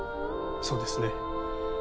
そうですね。